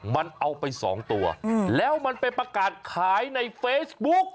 มันเอาไปสองตัวแล้วมันไปประกาศขายในเฟซบุ๊ก